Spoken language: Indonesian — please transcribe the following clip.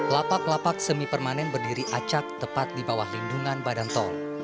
lapak lapak semi permanen berdiri acak tepat di bawah lindungan badan tol